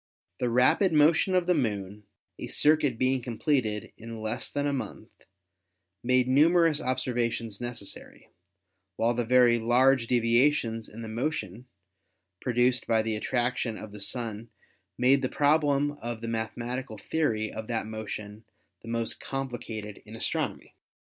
The rapid motion of the Moon, a circuit being completed in less than a month, made numer ous observations necessary, while the very large devia tions in the motion produced by the attraction of the Sun made the problem of the mathematical theory of that motion the most complicated in astronomy.